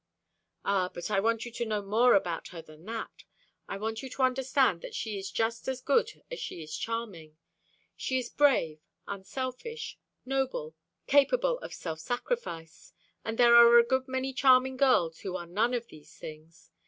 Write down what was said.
"Ah, but I want you to know more about her than that. I want you to understand that she is just as good as she is charming. She is brave, unselfish, noble, capable of self sacrifice and there are a good many charming girls who are none of these things.